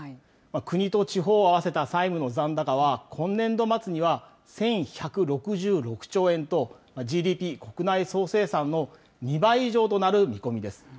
国と地方を合わせた債務の残高は、今年度末には１１６６兆円と、ＧＤＰ・国内総生産の２倍以上となる見込みです。